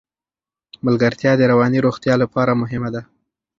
ملګرتیا د رواني روغتیا لپاره مهمه ده.